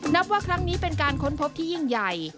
นับว่าครั้งนี้เป็นการค้นพบที่ยิ่งใหญ่